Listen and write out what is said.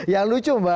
yang lucu mbak